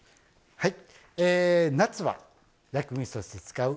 はい。